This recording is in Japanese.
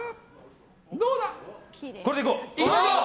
これでいこう！